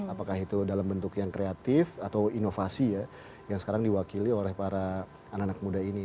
apakah itu dalam bentuk yang kreatif atau inovasi ya yang sekarang diwakili oleh para anak anak muda ini